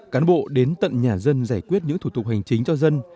cán bộ đến tận nhà dân giải quyết những thủ tục hành chính cho dân